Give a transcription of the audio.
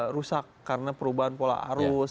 rusak karena perubahan pola arus